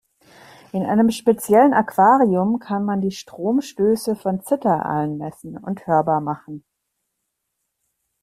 In einem speziellen Aquarium kann man die Stromstöße von Zitteraalen messen und hörbar machen.